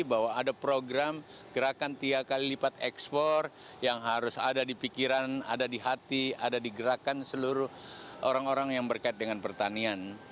bahwa ada program gerakan tiga kali lipat ekspor yang harus ada di pikiran ada di hati ada di gerakan seluruh orang orang yang berkait dengan pertanian